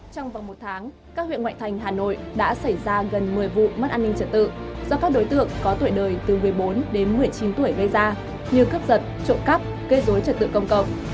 trong vòng một tháng các huyện ngoại thành hà nội đã xảy ra gần một mươi vụ mất an ninh trật tự do các đối tượng có tuổi đời từ một mươi bốn đến một mươi chín tuổi gây ra như cướp giật trộm cắp gây dối trật tự công cộng